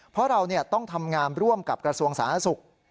เพราะเราต้องทำงานร่วมกับกระทรวงสาธารณสุข